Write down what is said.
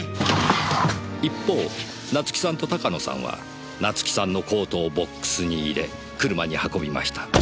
一方夏樹さんと鷹野さんは夏樹さんのコートをボックスに入れ車に運びました。